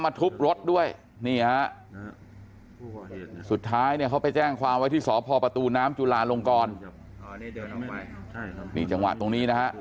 มาทุบรถด้วยสุดท้ายเขาไปแจ้งความว่าที่สอบพอประตูน้ำจุฬาลงกรมีจังหวะตรงนี้นะฮะ